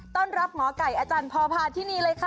ต้อนรับหมอไก่อาจารย์พอพาที่นี่เลยค่ะ